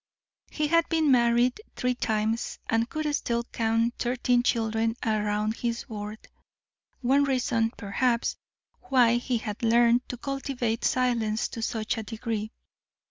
He had been married three times, and could still count thirteen children around his board, one reason, perhaps, why he had learned to cultivate silence to such a degree.